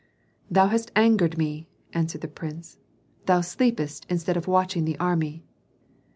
"Thou hast angered me," answered the prince. "Thou sleepest instead of watching the army."